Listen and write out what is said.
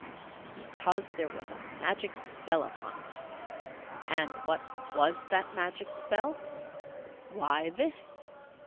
Because there was a magic spell upon it. And what was that magic spell? Why, this!